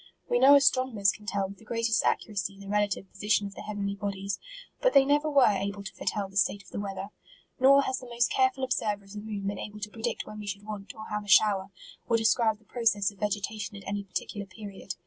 We know astron MARCH. 'il mners can tell with the greatest accuracy, the relative position of the heavenly bodies, but they never were able to foretel the state of the weather. Nor has the most careful observer of the moon been able to predict when we should want, or have a shower, or describe the progress of vegetation at any particular period.